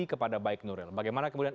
kepada baik nuril bagaimana kemudian